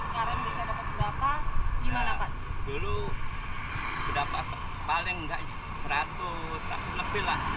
sebelumnya kita sudah dapat seratus seratus lebih